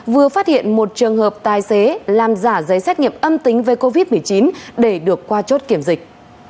vừa phát hiện một trường hợp tài xế làm giả giấy xét nghiệm âm tính với covid một mươi chín để được qua chốt kiểm dịch